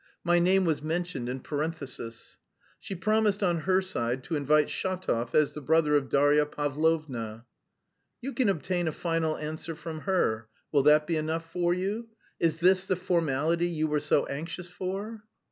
(My name was mentioned in parenthesis). She promised on her side to invite Shatov, as the brother of Darya Pavlovna. "You can obtain a final answer from her: will that be enough for you? Is this the formality you were so anxious for?"